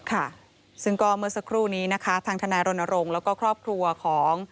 ค่ะซึ่งก็เมื่อสักครู่นี้นะคะทางทนายรณรงค์แล้วก็ครอบครัวของ